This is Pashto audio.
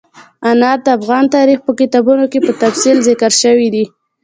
انار د افغان تاریخ په کتابونو کې په تفصیل ذکر شوي دي.